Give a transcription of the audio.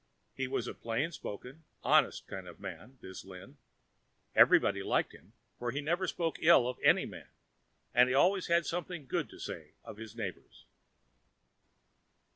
He was a plain spoken, honest kind of man, this Lin. Everybody liked him, for he never spoke ill of any man and he always had something good to say of his neighbours.